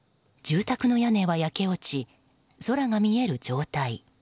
住宅の屋根は焼け落ち空が見える状態。